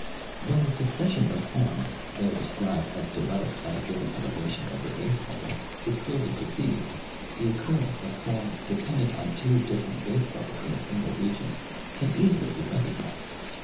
When the succession of forms there described as developed at a given elevation over base level is clearly perceived, the occurrence of forms dependent on two different base levels in a single region can easily be recognized.